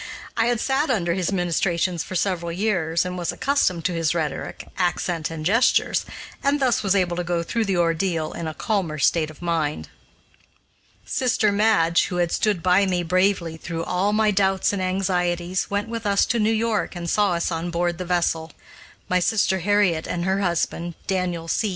I had sat under his ministrations for several years, and was accustomed to his rhetoric, accent, and gestures, and thus was able to go through the ordeal in a calmer state of mind. Sister Madge, who had stood by me bravely through all my doubts and anxieties, went with us to New York and saw us on board the vessel. My sister Harriet and her husband, Daniel C.